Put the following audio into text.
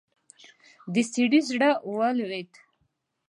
د سړي زړه ولوېد.